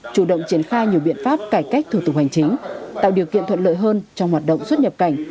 chủ động triển khai nhiều biện pháp cải cách thủ tục hành chính tạo điều kiện thuận lợi hơn trong hoạt động xuất nhập cảnh